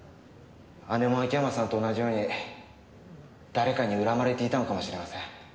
姉も秋山さんと同じように誰かに恨まれていたのかもしれません。